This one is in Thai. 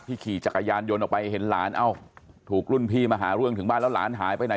ขี่จักรยานยนต์ออกไปเห็นหลานเอ้าถูกรุ่นพี่มาหาเรื่องถึงบ้านแล้วหลานหายไปไหน